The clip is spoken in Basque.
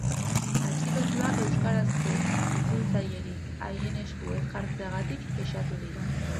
Atxilotuak euskarazko itzultzailerik haien esku ez jartzeagatik kexatu dira.